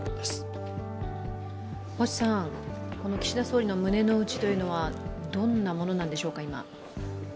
岸田総理の胸のうちというのは今どんなものなんででしょうか。